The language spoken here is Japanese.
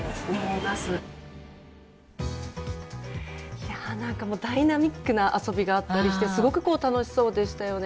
いや何かもうダイナミックな遊びがあったりしてすごく楽しそうでしたよね。